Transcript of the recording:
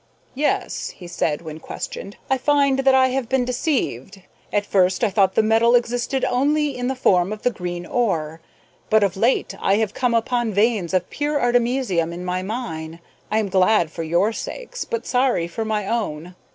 "Yes," he said, when questioned, "I find that I have been deceived. At first I thought the metal existed only in the form of the green ore, but of late I have come upon veins of pure artemisium in my mine. I am glad for your sakes, but sorry for my own.